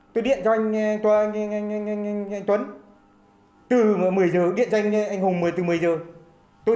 tôi điện cho anh tuấn từ một mươi h điện cho anh hùng từ một mươi h